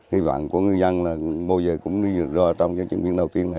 hy vọng của ngư dân là bao giờ cũng đi rô trong những chương trình đầu tiên này